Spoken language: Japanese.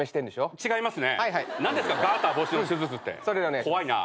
違いますね。